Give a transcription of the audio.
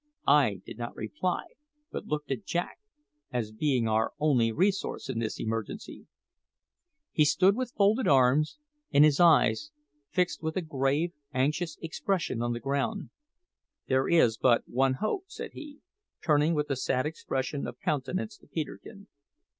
I did not reply, but looked at Jack, as being our only resource in this emergency. He stood with folded arms, and his eyes fixed with a grave, anxious expression on the ground. "There is but one hope," said he, turning with a sad expression of countenance to Peterkin.